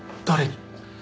誰に？